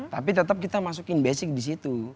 tapi tetap kita masukin basic di situ